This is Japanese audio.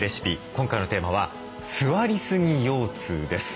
今回のテーマは座りすぎ腰痛です。